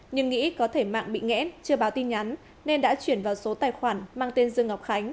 nhưng nghĩ có thể mạng bị nghẽn chưa báo tin nhắn nên đã chuyển vào số tài khoản mang tên dương ngọc khánh